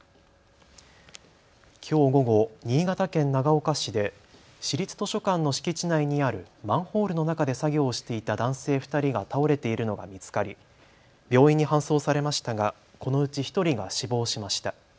きょう午後、新潟県長岡市で市立図書館の敷地内にあるマンホールの中で作業をしていた男性２人が倒れているのが見つかり病院に搬送されましたがこのうち１人が死亡しました。